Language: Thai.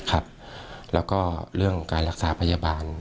แล้วก็เรื่องการรักษาพยาบาล